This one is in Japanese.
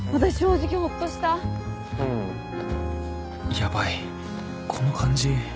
ヤバいこの感じ